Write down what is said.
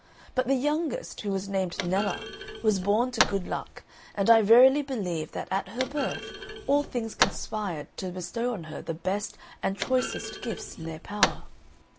But the youngest, who was named Nella, was born to good luck, and I verily believe that at her birth all things conspired to bestow on her the best and choicest gifts in their power.